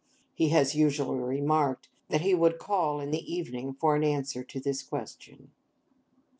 (He has usually remarked that he would call in the evening for an answer to this question.)